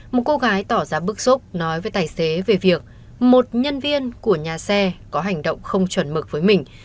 một cô gái tỏ ra bức xúc nói với tài xế về việc một nhân viên của nhà xe có hành động không chuẩn mực với mình